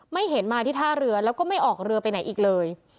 ไม่เห็นมาที่ท่าเรือแล้วก็ไม่ออกเรือไปไหนอีกเลย